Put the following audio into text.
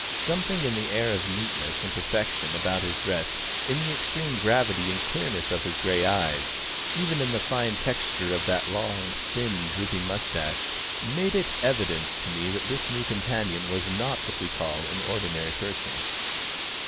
Something in the air of neatness and perfection about his dress, in the extreme gravity and clearness of his grey eyes, even in the fine texture of that long, thin, drooping moustache, made it evident to me that this new companion was not what we call an ordinary person.